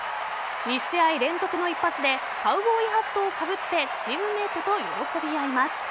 ２試合連続の一発でカウボーイハットをかぶってチームメートと喜び合います。